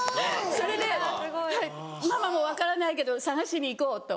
・それではい「ママも分からないけど探しに行こう」と。